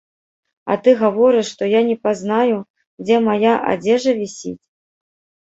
А ты гаворыш, што я не пазнаю, дзе мая адзежа вісіць.